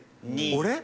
俺？